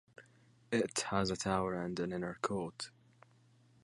It has a tower and an inner court.